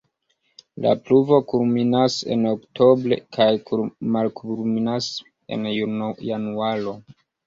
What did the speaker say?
La pluvo kulminas en oktobre kaj malkulminas en januaro.